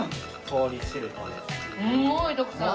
すごい徳さん！